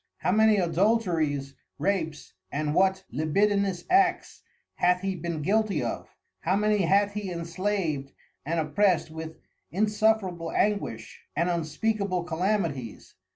How many Adulteries, Rapes, and what Libidinous Acts hath he been guilty of? How many hath he enslav'd and opprest with insufferable Anguish and unspeakable Calamities?